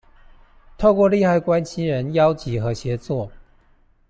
透過利害關係人邀集和協作